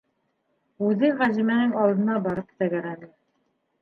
Үҙе Ғәзимәнең алдына барып тәгәрәне.